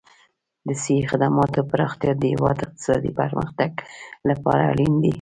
د صحي خدماتو پراختیا د هېواد اقتصادي پرمختګ لپاره اړین دي.